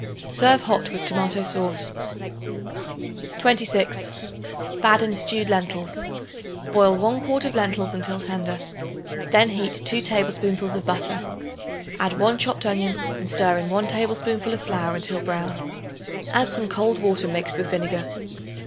Serve hot with tomato sauce. 26. Baden Stewed Lentils. Boil 1 quart of lentils until tender; then heat 2 tablespoonfuls of butter. Add 1 chopped onion and stir in 1 tablespoonful of flour until brown; add some cold water mixed with vinegar.